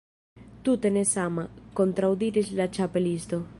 "Tute ne sama," kontraŭdiris la Ĉapelisto.